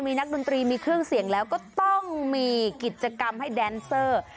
มีนักดนตรีมีเครื่องเสียงแล้วก็ต้องมีกิจกรรมให้แดนเซอร์